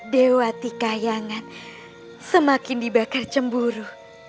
dewa tikayangan semakin dibakar cemburu